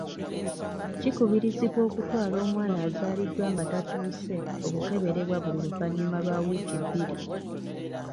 Kikubirizibwa okutwala omwana azaaliddwa nga tatuuse okukeberebwa buli luvannyuma lwa wiiki bbiri.